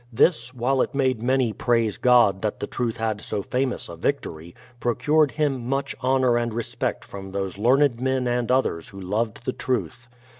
This, while it made many praise God that the truth had so famous a victory, procured him much honour and respect from those learned men and others who loved the truth.